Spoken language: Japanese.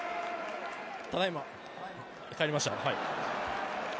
ただいま帰りました、はい。